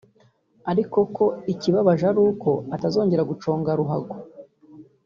ariko ko ikibabaje ari uko atazongera guconga ruhago